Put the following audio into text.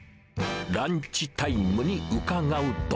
ランチタイムに伺うと。